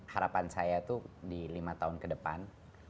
harapan saya itu di lima tahun ke depan